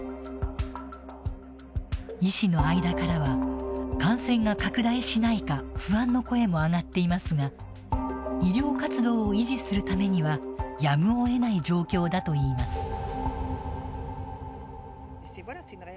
医師の間からは感染が拡大しないか不安の声も上がっていますが医療活動を維持するためにはやむをえない状況だといいます。